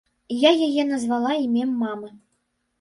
Я яе назвала імем мамы.